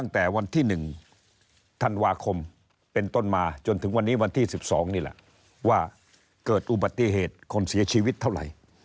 ตั้งแต่วันที่๑ธันวาคมเป็นต้นมาจนถึงวันนี้วันที่๑๒นี่แหละว่าเกิดอุบัติเหตุคนเสียชีวิตเท่าไหร่